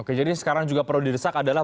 oke jadi sekarang juga perlu didesak adalah